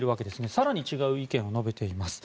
更に違う意見を述べています。